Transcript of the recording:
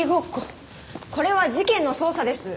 これは事件の捜査です。